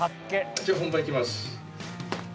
じゃあ本番いきます。